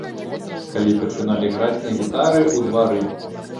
Калі пачыналі граць на гітары ў двары.